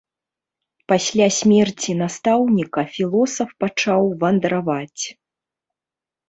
Пасля смерці настаўніка філосаф пачаў вандраваць.